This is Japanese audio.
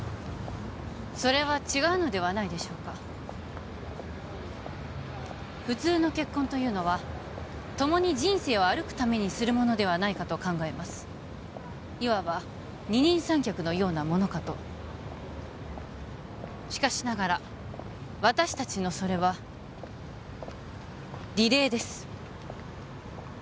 それは違うのではないでしょうか普通の結婚というのは共に人生を歩くためにするものではないかと考えますいわば二人三脚のようなものかとしかしながら私達のそれはリレーです